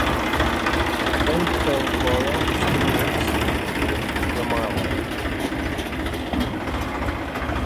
The Templeborough steelworks was reputed to be a mile long.